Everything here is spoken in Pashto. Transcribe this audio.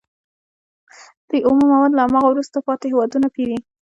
دوی اومه مواد له هماغو وروسته پاتې هېوادونو پېري